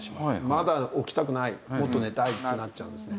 まだ起きたくないもっと寝たいってなっちゃうんですね。